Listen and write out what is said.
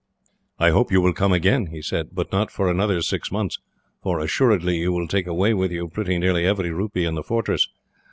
"I hope you will come again," he said; "but not for another six months, for assuredly you will take away with you pretty nearly every rupee in the fortress.